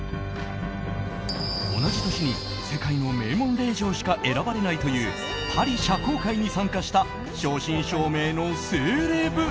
同じ年に、世界の名門令嬢しか選ばれないというパリ社交界に参加した正真正銘のセレブ。